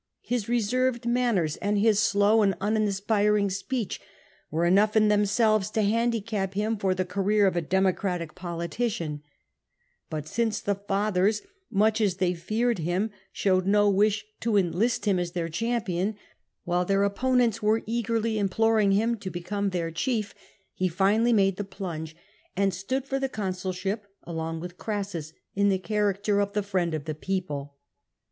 His reserved manners and his slow and uninspiring speech were enough in themselves to handicap him for the career of a Democratic politician But since the Fathers, much as they feared him, showed no wish to enlist him as their champion, while their opponents were eagerly im ploring him to become their chief, he finally made the plunge and stood for the consulship along with Crassus in the character of " the friend of the people."